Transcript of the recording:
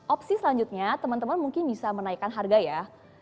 opsi selanjutnya temen temen mungkin bisa menaikkan harga ya